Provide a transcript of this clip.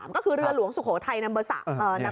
ก็คือเรือหลวงสุโขทัยนำเบอร์๓